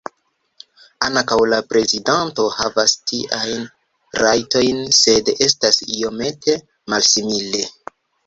Ankaŭ la prezidanto havas tiajn rajtojn sed estas iomete malsimile.